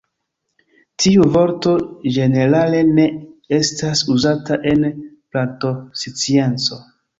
Tiu vorto ĝenerale ne estas uzata en plantoscienco.